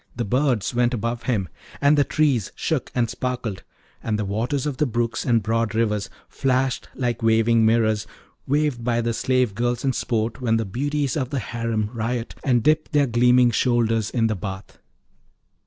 The birds went up above him, and the trees shook and sparkled, and the waters of brooks and broad rivers flashed like waving mirrors waved by the slave girls in sport when the beauties of the harem riot and dip their gleaming shoulders in the bath.